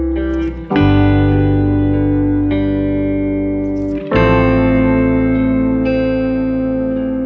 dan kamu malah ngebantuin aku